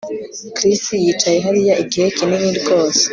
Chris yicaye hariya igihe kinini rwose